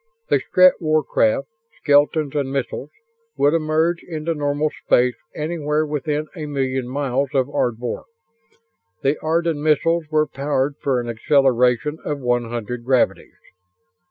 The Strett warcraft, skeletons and missiles, would emerge into normal space anywhere within a million miles of Ardvor. The Ardan missiles were powered for an acceleration of one hundred gravities.